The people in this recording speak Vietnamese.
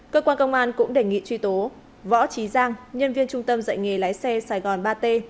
cơ quan công an cũng đề nghị truy tố võ trí giang nhân viên trung tâm dạy nghề lái xe sài gòn ba t